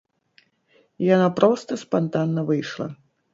Яна проста спантанна выйшла.